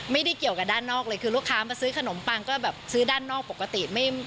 ไม่ได้เกี่ยวกับด้านนอกเลยคือลูกค้ามาซื้อขนมปังก็แบบซื้อด้านนอกปกติ